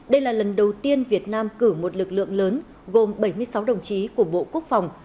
đây là lần đầu tiên việt nam cử một lực lượng lớn gồm bảy mươi sáu đồng chí của bộ quốc phòng